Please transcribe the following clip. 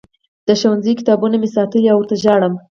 د ښوونځي کتابونه مې ساتلي او ورته ژاړم